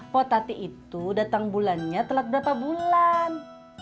poh tati itu datang bulannya telat berapa bulan